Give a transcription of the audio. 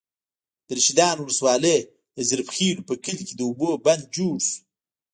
د رشيدانو ولسوالۍ، د ظریف خېلو په کلي کې د اوبو بند جوړ شو.